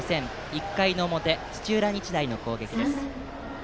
１回の表、土浦日大の攻撃です。